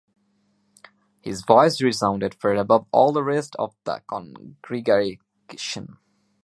His voice resounded far above all the rest of the Congregation.